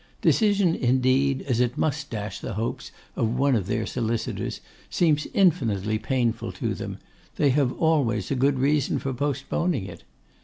Decision, indeed, as it must dash the hopes of one of their solicitors, seems infinitely painful to them; they have always a good reason for postponing it.